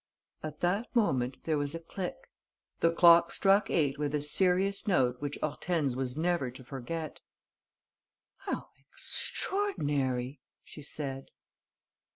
At that moment there was a click. The clock struck eight with a serious note which Hortense was never to forget. "How extraordinary!" she said.